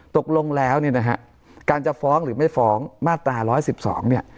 ตกลงแล้วเนี่ยนะฮะการจะฟ้องหรือไม่ฟ้องมาตรา๑๑๒เนี่ย